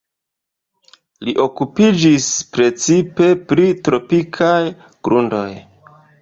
Li okupiĝis precipe pri tropikaj grundoj.